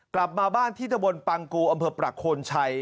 กลับมาบ้านที่ตะบนปังกูอำเภอประโคนชัย